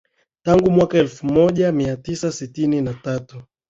Tangu mwaka elfu moja mia tisa sitini na tatu